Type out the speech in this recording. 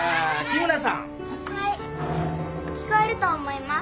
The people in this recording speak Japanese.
はい聞こえると思います。